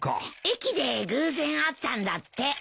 駅で偶然会ったんだって。